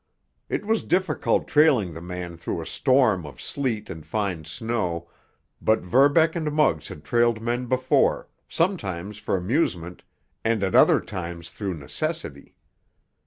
It was difficult trailing the man through a storm of sleet and fine snow, but Verbeck and Muggs had trailed men before, sometimes for amusement, and at other times through necessity.